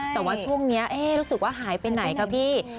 แต่ว่าช่วงนี้รู้สึกว่าหายไปไหนคะพี่